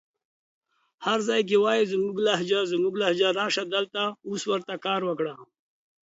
هر ځای کې وايې زموږ لهجه زموږ لهجه راسه دلته اوس ورته کار وکړه